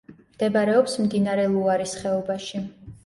მდებარეობს მდინარე ლუარის ხეობაში.